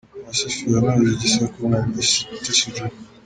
Uwase Fiona uhuje igisekuru na Miss Mutesi Jolly.